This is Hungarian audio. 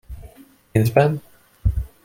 Pénzben?